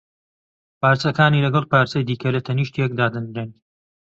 پارچەکانی لەگەڵ پارچەی دیکە لە تەنیشت یەک دادەنرێن